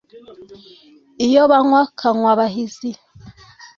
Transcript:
iyo banywa kanywabahizi